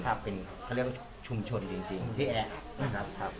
เขาเรียกว่าชุมชนจริงที่แอนะครับ